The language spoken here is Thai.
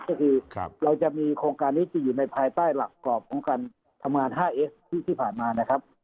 ก็คือเราจะมีโครงการนี้จะอยู่ในภายใต้หลักกรอบของการทำงาน๕เอสที่ผ่านมานะครับ